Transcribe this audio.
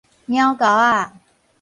撓鉤仔